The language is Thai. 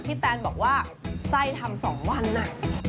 พี่แตนบอกว่าไส้ทำสองวันน่ะ